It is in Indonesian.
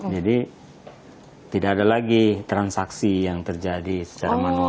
jadi tidak ada lagi transaksi yang terjadi secara manual